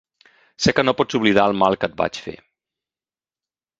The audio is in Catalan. Sé que no pots oblidar el mal que et vaig fer